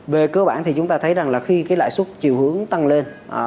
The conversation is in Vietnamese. về cơ bản thì chúng ta thấy rằng là khi cái lãi xuất chiều hướng tăng lên